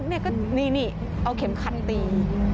เขาบอกนี่เอาเข็มคันตี